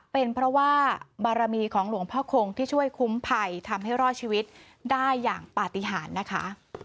เป็นเพราะว่าบารมีของหลวงพ่อคงที่ช่วยคุ้มภัยทำให้รอดชีวิตได้อย่างปฏิหารนะคะ